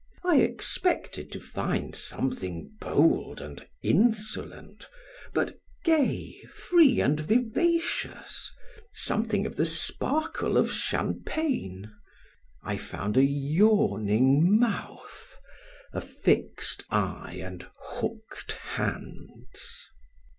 I expected to find something bold and insolent, but gay, free, and vivacious, something of the sparkle of champagne; I found a yawning mouth, a fixed eye and hooked hands.